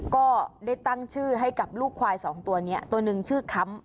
ก็ได้ตั้งชื่อให้กับลูกควายสองตัวนี้ตัวหนึ่งชื่อค้ำ